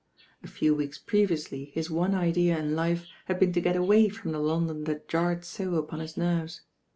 A few weeks previously his one idea in life had been to get away from the London that jarred •o upon his nerves.